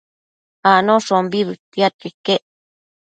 Anoshombi bëtiadquio iquec